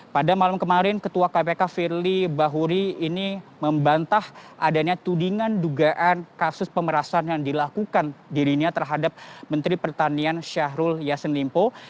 pada malam kemarin ketua kpk firly bahuri ini membantah adanya tudingan dugaan kasus pemerasan yang dilakukan dirinya terhadap menteri pertanian syahrul yassin limpo